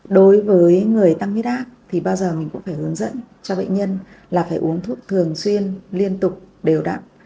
đối với người tăng huyết áp thì bao giờ mình cũng phải hướng dẫn cho bệnh nhân là phải uống thuốc thường xuyên liên tục đều đặn